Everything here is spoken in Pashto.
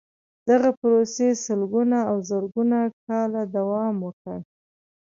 دغې پروسې سلګونه او زرګونه کاله دوام وکړ.